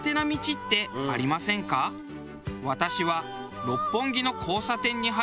私は。